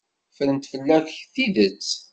Ffrent fell-ak tidet.